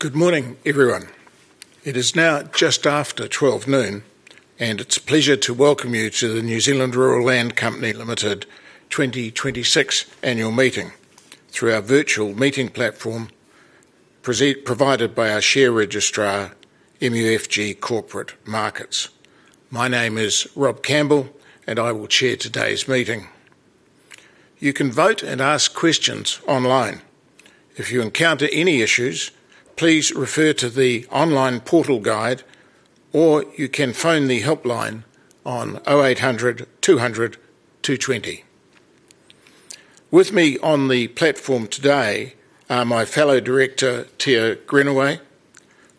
Good morning, everyone. It is now just after 12:00 P.M., and it's a pleasure to welcome you to the New Zealand Rural Land Company Limited 2026 annual meeting through our virtual meeting platform provided by our share registrar, MUFG Corporate Markets. My name is Rob Campbell, and I will Chair today's meeting. You can vote and ask questions online. If you encounter any issues, please refer to the online portal guide, or you can phone the helpline on 0800 200 220. With me on the platform today are my fellow Director, Tia Greenaway,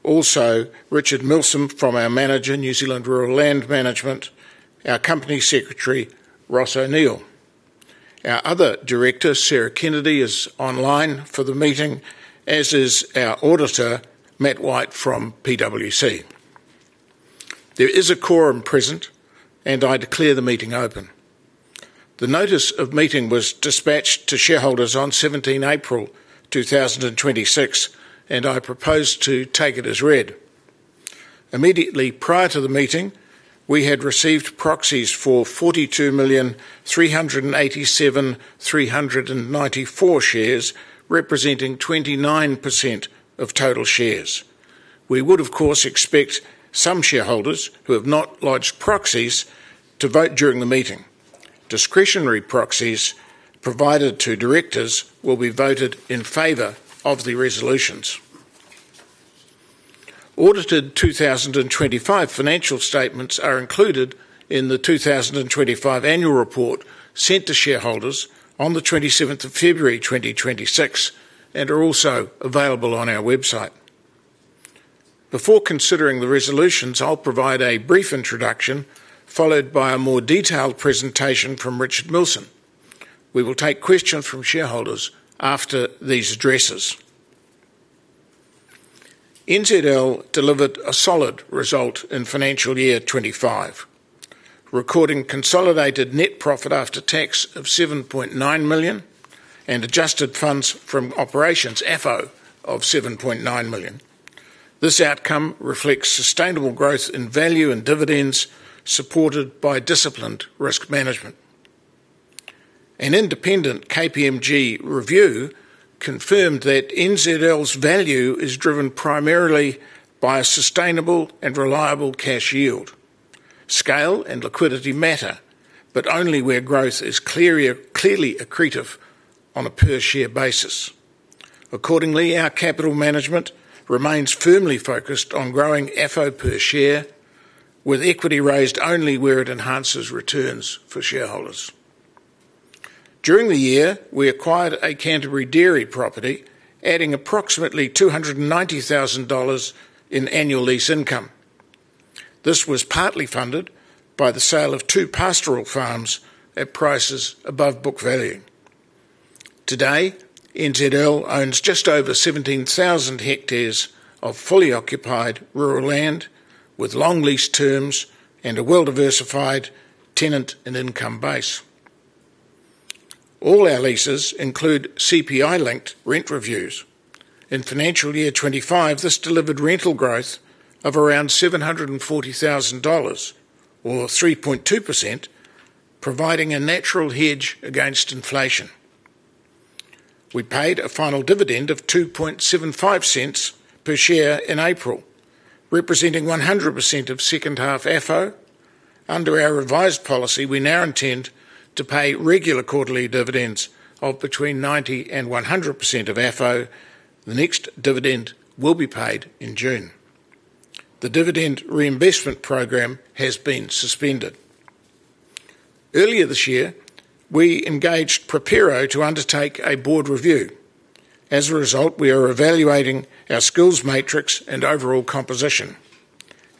also Richard Milsom from our manager, New Zealand Rural Land Management, our Company Secretary, Ross O'Neill. Our other Director, Sarah Kennedy, is online for the meeting, as is our Auditor, Matt White from PwC. There is a quorum present, and I declare the meeting open. The notice of meeting was dispatched to shareholders on 17 April 2026, and I propose to take it as read. Immediately prior to the meeting, we had received proxies for 42,387,394 shares, representing 29% of total shares. We would, of course, expect some shareholders who have not lodged proxies to vote during the meeting. Discretionary proxies provided to directors will be voted in favor of the resolutions. Audited 2025 financial statements are included in the 2025 annual report sent to shareholders on the 27th of February, 2026 and are also available on our website. Before considering the resolutions, I'll provide a brief introduction, followed by a more detailed presentation from Richard Milsom. We will take questions from shareholders after these addresses. NZL delivered a solid result in financial year 2025, recording consolidated net profit after tax of 7.9 million and adjusted funds from operations, FFO, of 7.9 million. This outcome reflects sustainable growth in value and dividends, supported by disciplined risk management. An independent KPMG review confirmed that NZL's value is driven primarily by a sustainable and reliable cash yield. Scale and liquidity matter, but only where growth is clearly accretive on a per share basis. Accordingly, our capital management remains firmly focused on growing FFO per share, with equity raised only where it enhances returns for shareholders. During the year, we acquired a Canterbury dairy property, adding approximately 290,000 dollars in annual lease income. This was partly funded by the sale of two pastoral farms at prices above book value. Today, NZL owns just over 17,000 hectares of fully occupied rural land with long lease terms and a well-diversified tenant and income base. All our leases include CPI-linked rent reviews. In financial year 2025, this delivered rental growth of around 740,000 dollars, or 3.2%, providing a natural hedge against inflation. We paid a final dividend of 0.0275 per share in April, representing 100% of second half FFO. Under our revised policy, we now intend to pay regular quarterly dividends of between 90% and 100% of FFO. The next dividend will be paid in June. The dividend reinvestment program has been suspended. Earlier this year, we engaged Propero to undertake a board review. As a result, we are evaluating our skills matrix and overall composition.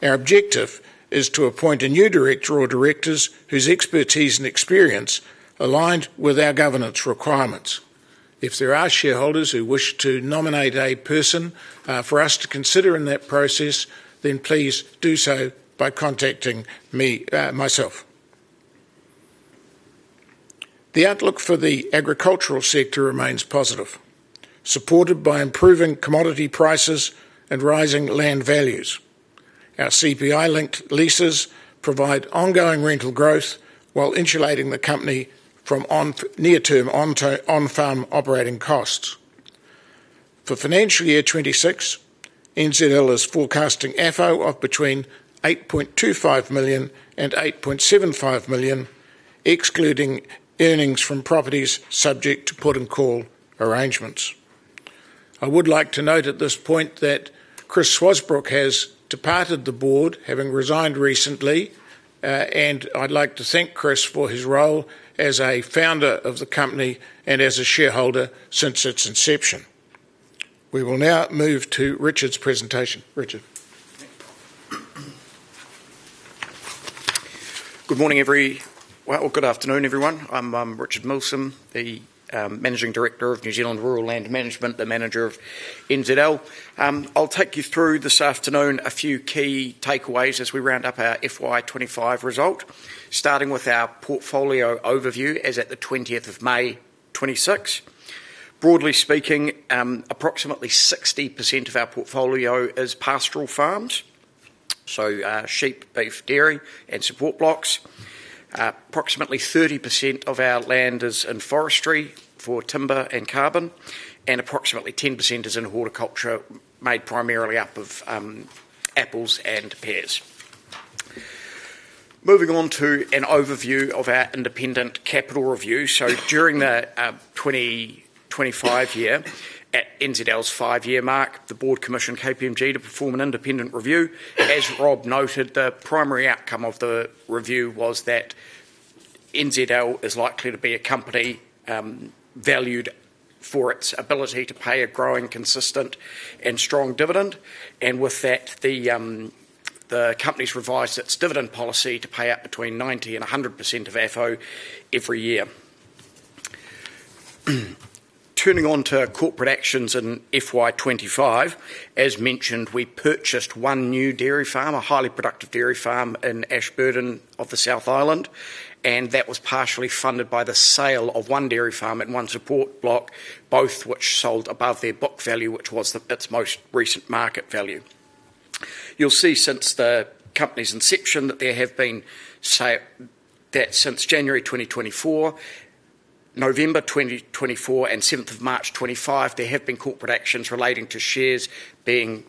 Our objective is to appoint a new director or directors whose expertise and experience aligned with our governance requirements. If there are shareholders who wish to nominate a person for us to consider in that process, then please do so by contacting me myself. The outlook for the agricultural sector remains positive, supported by improving commodity prices and rising land values. Our CPI-linked leases provide ongoing rental growth while insulating the company from near-term on-farm operating costs. For financial year 2026, NZL is forecasting FFO of between 8.25 million and 8.75 million, excluding earnings from properties subject to put and call arrangements. I would like to note at this point that Christopher Swasbrook has departed the board, having resigned recently, and I'd like to thank Chris for his role as a founder of the company and as a shareholder since its inception. We will now move to Richard's presentation. Richard. Thank you. Good morning, everyone. Well, good afternoon, everyone. I'm Richard Milsom, the Managing Director of New Zealand Rural Land Management, the manager of NZL. I'll take you through this afternoon a few key takeaways as we round up our FY 2025 result, starting with our portfolio overview as at the 20th of May 2026. Broadly speaking, approximately 60% of our portfolio is pastoral farms, so sheep, beef, dairy, and support blocks. Approximately 30% of our land is in forestry for timber and carbon, and approximately 10% is in horticulture, made primarily up of apples and pears. Moving on to an overview of our independent capital review. During the 2025 year, at NZL's five-year mark, the board commissioned KPMG to perform an independent review. As Rob noted, the primary outcome of the review was that NZL is likely to be a company, valued for its ability to pay a growing, consistent, and strong dividend, and with that, the company's revised its dividend policy to pay out between 90% and 100% of FFO every year. Turning on to corporate actions in FY 2025, as mentioned, we purchased one new dairy farm, a highly productive dairy farm in Ashburton of the South Island, and that was partially funded by the sale of one dairy farm and one support block, both which sold above their book value, which was its most recent market value. You'll see since the company's inception that since January 2024, November 2024, and 7th of March 2025, there have been corporate actions relating to shares being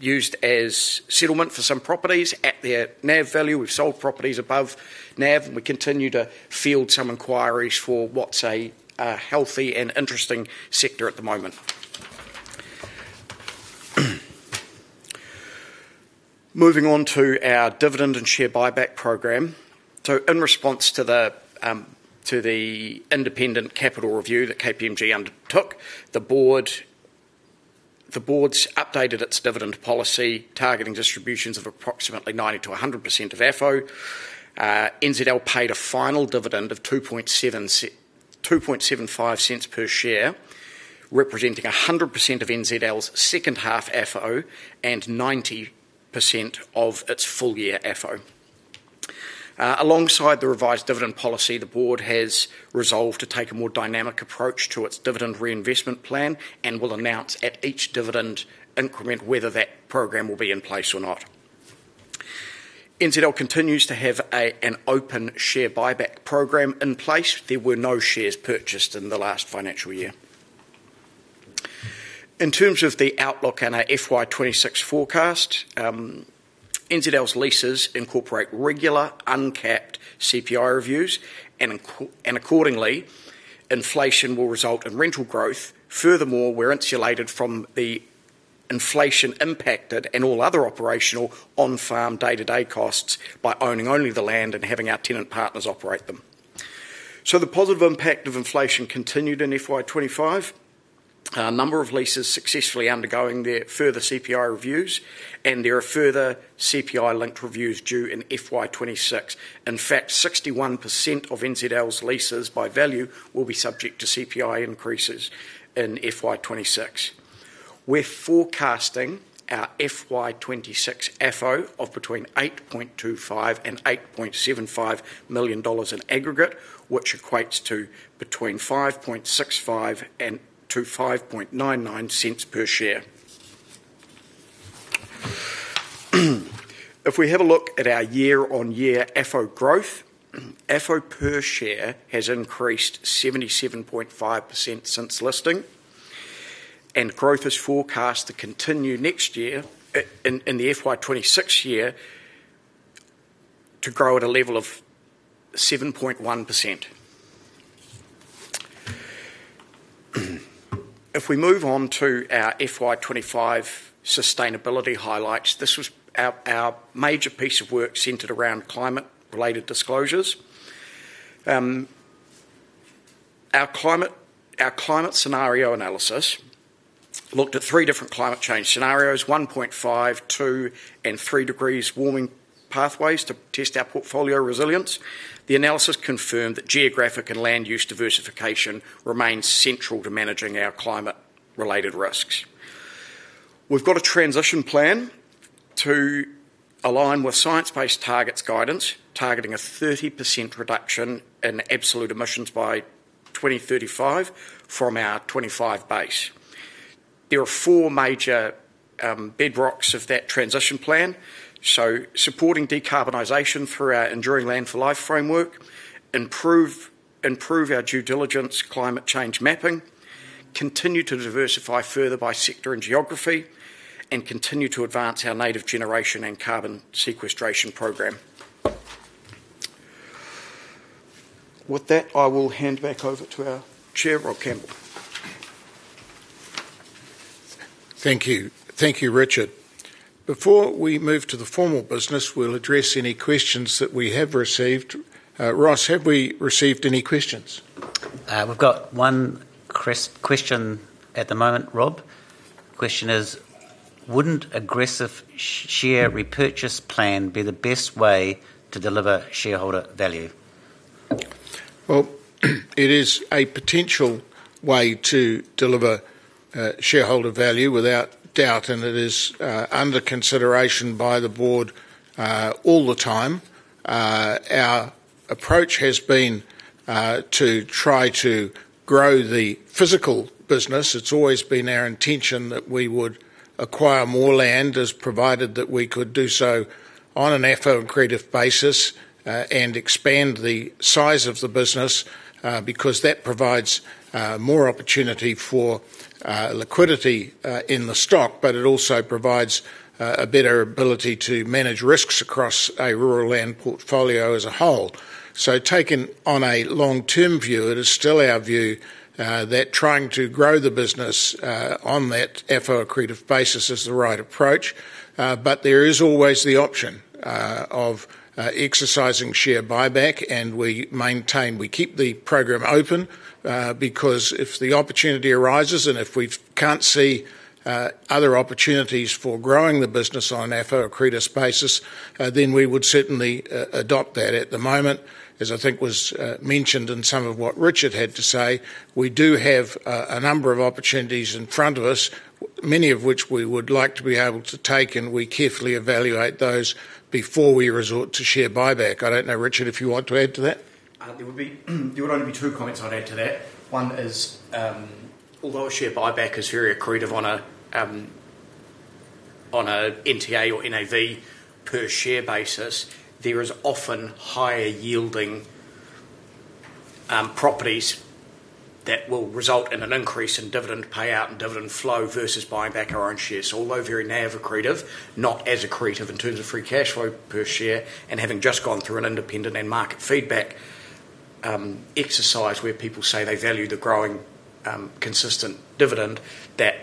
used as settlement for some properties at their NAV value. We've sold properties above NAV. We continue to field some inquiries for what's a healthy and interesting sector at the moment. Moving on to our dividend and share buyback program. In response to the independent capital review that KPMG undertook, the board's updated its dividend policy, targeting distributions of approximately 90%-100% of FFO. NZL paid a final dividend of 0.0275 per share, representing 100% of NZL's second half FFO and 90% of its full year FFO. Alongside the revised dividend policy, the board has resolved to take a more dynamic approach to its dividend reinvestment plan and will announce at each dividend increment whether that program will be in place or not. NZL continues to have an open share buyback program in place. There were no shares purchased in the last financial year. In terms of the outlook in our FY 2026 forecast, NZL's leases incorporate regular uncapped CPI reviews, and accordingly, inflation will result in rental growth. Furthermore, we're insulated from the inflation impacted and all other operational on-farm day-to-day costs by owning only the land and having our tenant partners operate them. The positive impact of inflation continued in FY 2025. A number of leases successfully undergoing their further CPI reviews, and there are further CPI linked reviews due in FY 2026. 61% of NZL's leases by value will be subject to CPI increases in FY 2026. We're forecasting our FY 2026 FFO of between 8.25 million and 8.75 million dollars in aggregate, which equates to between 0.0565 and 0.0599 per share. If we have a look at our year-on-year FFO growth, FFO per share has increased 77.5% since listing, growth is forecast to continue next year, in the FY 2026 year, to grow at a level of 7.1%. If we move on to our FY 2025 sustainability highlights, this was our major piece of work centered around climate related disclosures. Our climate scenario analysis looked at three different climate change scenarios, 1.5, 2, and 3 degrees warming pathways to test our portfolio resilience. The analysis confirmed that geographic and land use diversification remains central to managing our climate related risks. We've got a transition plan to align with science-based targets guidance, targeting a 30% reduction in absolute emissions by 2035 from our 2025 base. There are four major bedrocks of that transition plan, so supporting decarbonization through our Enduring Land for Life framework, improve our due diligence climate change mapping, continue to diversify further by sector and geography, and continue to advance our native generation and carbon sequestration program. With that, I will hand back over to our chair, Rob Campbell. Thank you. Thank you, Richard. Before we move to the formal business, we'll address any questions that we have received. Ross, have we received any questions? We've got one question at the moment, Rob. Question is, wouldn't aggressive share repurchase plan be the best way to deliver shareholder value? Well, it is a way to deliver shareholder value without doubt, and it is under consideration by the board all the time. Our approach has been to try to grow the physical business. It's always been our intention that we would acquire more land as provided that we could do so on an accretive basis and expand the size of the business because that provides more opportunity for liquidity in the stock. It also provides a better ability to manage risks across a rural land portfolio as a whole. Taken on a long-term view, it is still our view that trying to grow the business on that accretive basis is the right approach. There is always the option of exercising share buyback, and we maintain we keep the program open because if the opportunity arises and if we can't see other opportunities for growing the business on an accretive basis, then we would certainly adopt that. At the moment, as I think was mentioned in some of what Richard had to say, we do have a number of opportunities in front of us, many of which we would like to be able to take, and we carefully evaluate those before we resort to share buyback. I don't know, Richard, if you want to add to that. There would only be two comments I'd add to that. One is, although a share buyback is very accretive on a NTA or NAV per share basis, there is often higher yielding properties that will result in an increase in dividend payout and dividend flow versus buying back our own shares. Although very NAV accretive, not as accretive in terms of free cash flow per share. Having just gone through an independent and market feedback exercise where people say they value the growing consistent dividend, that,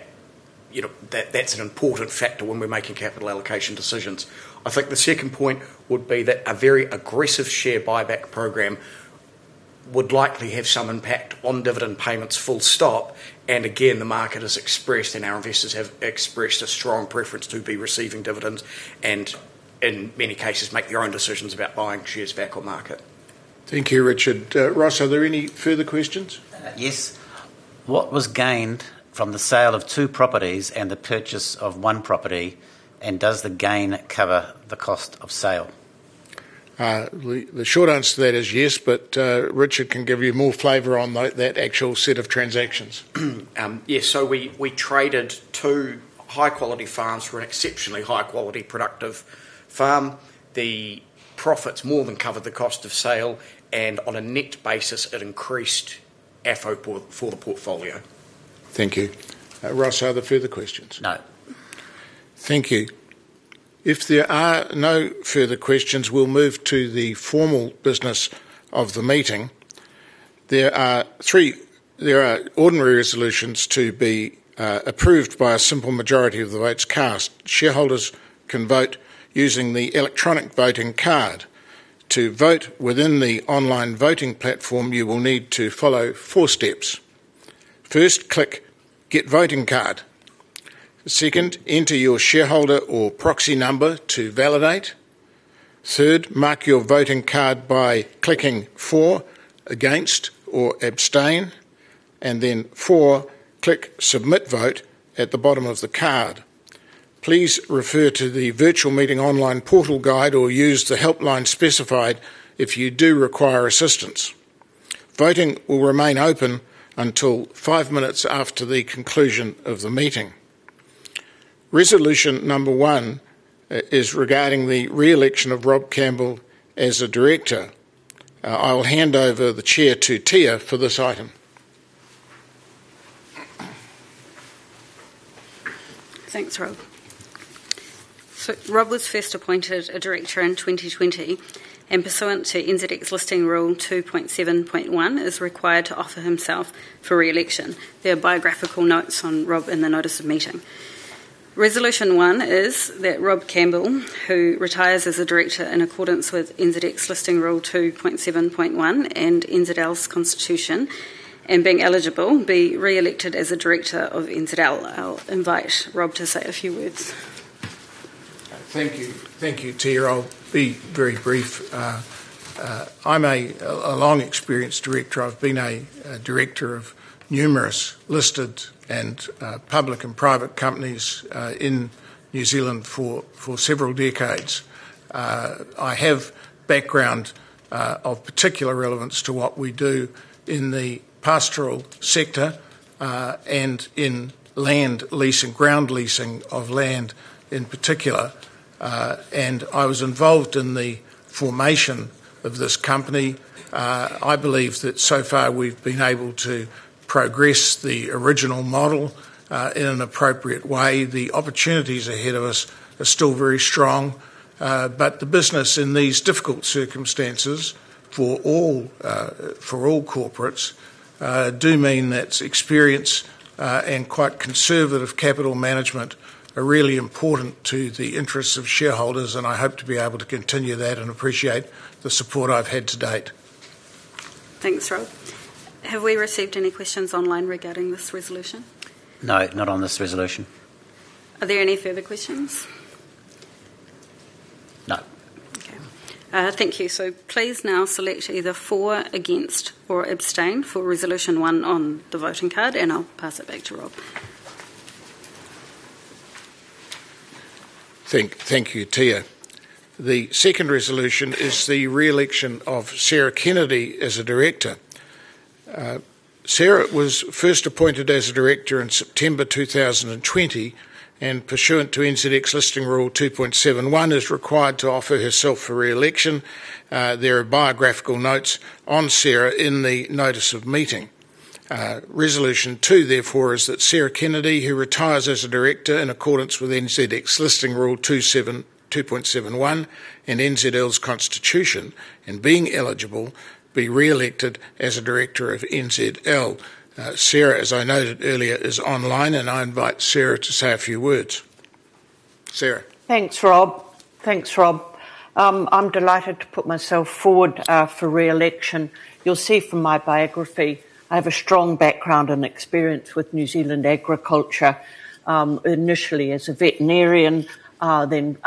you know, that's an important factor when we're making capital allocation decisions. I think the second point would be that a very aggressive share buyback program would likely have some impact on dividend payments full stop. Again, the market has expressed and our investors have expressed a strong preference to be receiving dividends and, in many cases, make their own decisions about buying shares back on market. Thank you, Richard. Ross, are there any further questions? Yes. What was gained from the sale of two properties and the purchase of one property, and does the gain cover the cost of sale? The short answer to that is yes, but Richard can give you more flavor on that actual set of transactions. Yes. We traded two high-quality farms for an exceptionally high quality productive farm. The profits more than covered the cost of sale, and on a net basis, it increased FFO for the portfolio. Thank you. Ross, are there further questions? No. Thank you. If there are no further questions, we'll move to the formal business of the meeting. There are three ordinary resolutions to be approved by a simple majority of the votes cast. Shareholders can vote using the electronic voting card. To vote within the online voting platform, you will need to follow four steps. First, click Get Voting Card. Second, enter your shareholder or proxy number to validate. Third, mark your voting card by clicking For, Against, or Abstain. Then four, click Submit Vote at the bottom of the card. Please refer to the virtual meeting online portal guide or use the helpline specified if you do require assistance. Voting will remain open until five minutes after the conclusion of the meeting. Resolution number one is regarding the re-election of Rob Campbell as a director. I'll hand over the chair to Tia for this item. Thanks, Rob. Rob was first appointed a director in 2020, and pursuant to NZX Listing Rule 2.7.1, is required to offer himself for re-election. There are biographical notes on Rob in the notice of meeting. Resolution one is that Rob Campbell, who retires as a director in accordance with NZX Listing Rule 2.7.1 and NZL's Constitution, and being eligible, be re-elected as a director of NZL. I'll invite Rob to say a few words. Thank you. Thank you, Tia. I'll be very brief. I'm a long experienced director. I've been a director of numerous listed and public and private companies in New Zealand for several decades. I have background of particular relevance to what we do in the pastoral sector, and in land leasing, ground leasing of land in particular. I was involved in the formation of this company. I believe that so far we've been able to progress the original model in an appropriate way. The opportunities ahead of us are still very strong, but the business in these difficult circumstances for all, for all corporates, do mean that experience, and quite conservative capital management are really important to the interests of shareholders, and I hope to be able to continue that and appreciate the support I've had to date. Thanks, Rob. Have we received any questions online regarding this resolution? No, not on this resolution. Are there any further questions? No. Okay. Thank you. Please now select either for, against, or abstain for resolution one on the voting card, and I'll pass it back to Rob. Thank you, Tia. The second resolution is the reelection of Sarah Kennedy as a director. Sarah was first appointed as a director in September 2020, and pursuant to NZX Listing Rule 2.7.1, is required to offer herself for re-election. There are biographical notes on Sarah in the notice of meeting. Resolution two, therefore, is that Sarah Kennedy, who retires as a director in accordance with NZX Listing Rule 2.7.1 and NZL's Constitution, and being eligible, be re-elected as a director of NZL. Sarah, as I noted earlier, is online, and I invite Sarah to say a few words. Sarah. Thanks, Rob. Thanks, Rob. I'm delighted to put myself forward for re-election. You'll see from my biography, I have a strong background and experience with New Zealand agriculture. Initially as a veterinarian, then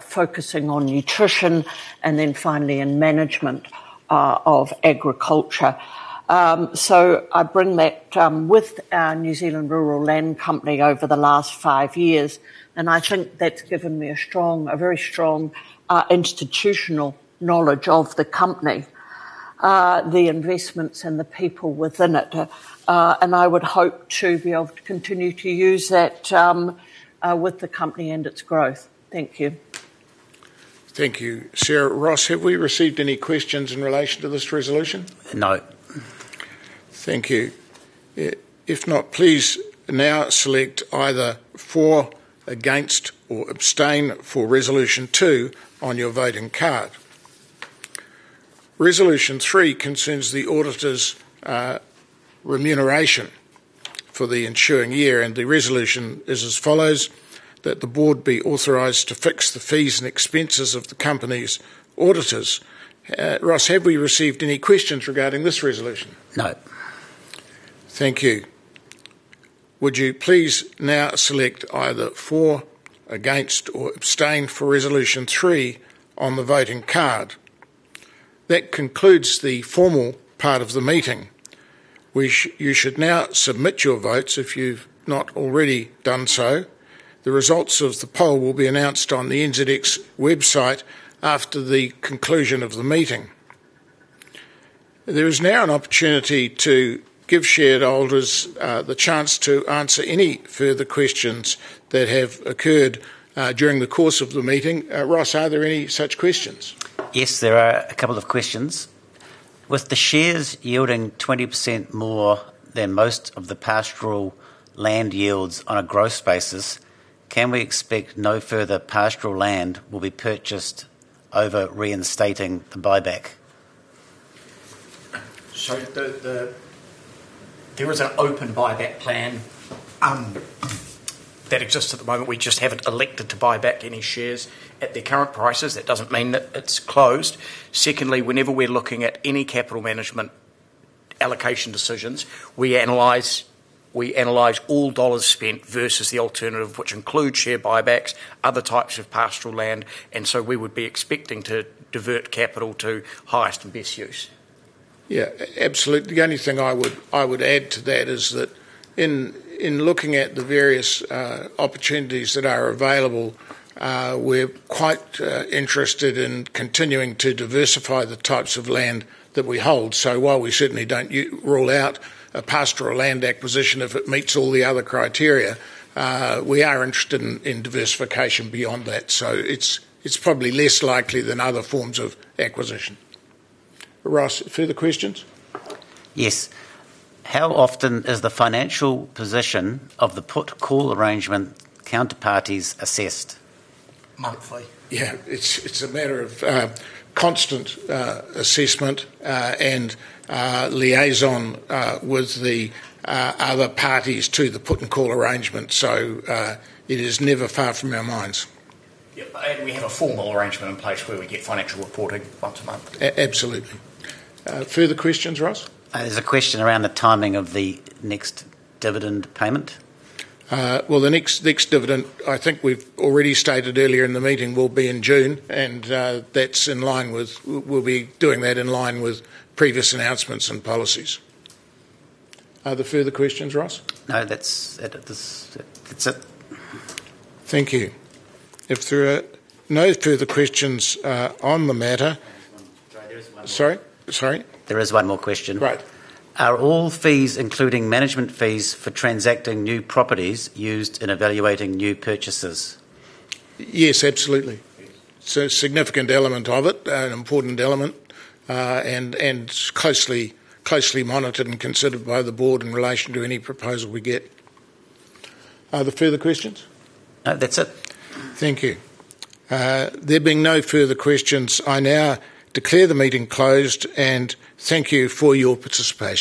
focusing on nutrition and then finally in management of agriculture. I bring that with New Zealand Rural Land Company over the last five years, and I think that's given me a strong, a very strong, institutional knowledge of the company, the investments and the people within it. I would hope to be able to continue to use that with the company and its growth. Thank you. Thank you, Sarah. Ross, have we received any questions in relation to this resolution? No. Thank you. If not, please now select either for, against, or abstain for resolution two on your voting card. Resolution three concerns the auditor's remuneration for the ensuing year, and the resolution is as follows, that the board be authorized to fix the fees and expenses of the company's auditors. Ross, have we received any questions regarding this resolution? No. Thank you. Would you please now select either for, against, or abstain for resolution three on the voting card. That concludes the formal part of the meeting. You should now submit your votes if you've not already done so. The results of the poll will be announced on the NZX website after the conclusion of the meeting. There is now an opportunity to give shareholders the chance to answer any further questions that have occurred during the course of the meeting. Ross, are there any such questions? Yes, there are a couple of questions. With the shares yielding 20% more than most of the pastoral land yields on a gross basis, can we expect no further pastoral land will be purchased over reinstating the buyback? There is an open buyback plan that exists at the moment. We just haven't elected to buy back any shares at their current prices. That doesn't mean that it's closed. Secondly, whenever we're looking at any capital management allocation decisions, we analyze all dollars spent versus the alternative, which includes share buybacks, other types of pastoral land, we would be expecting to divert capital to highest and best use. Yeah, the only thing I would add to that is that in looking at the various opportunities that are available, we're quite interested in continuing to diversify the types of land that we hold. While we certainly don't rule out a pastoral land acquisition if it meets all the other criteria, we are interested in diversification beyond that. It's probably less likely than other forms of acquisition. Ross, further questions? Yes. How often is the financial position of the put call arrangement counterparties assessed? Monthly. Yeah. It's a matter of constant assessment and liaison with the other parties to the put and call arrangement. It is never far from our minds. Yeah. We have a formal arrangement in place where we get financial reporting once a month. Absolutely. further questions, Ross? There's a question around the timing of the next dividend payment. Well, the next dividend, I think we've already stated earlier in the meeting, will be in June, and that's in line with, we'll be doing that in line with previous announcements and policies. Are there further questions, Ross? No, that's it. That's it. Thank you. If there are no further questions on the matter. There is one more. Sorry? Sorry? There is one more question. Great. Are all fees, including management fees for transacting new properties, used in evaluating new purchases? Yes, absolutely. A significant element of it, an important element, and closely monitored and considered by the board in relation to any proposal we get. Are there further questions? That's it. Thank you. There being no further questions, I now declare the meeting closed, and thank you for your participation.